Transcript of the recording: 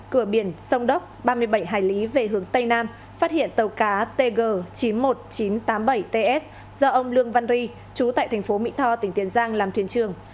trên cửa biển sông đốc ba mươi bảy hải lý về hướng tây nam phát hiện tàu cá tg chín mươi một nghìn chín trăm tám mươi bảy ts do ông lương văn ri chú tại thành phố mỹ tho tỉnh tiền giang làm thuyền trường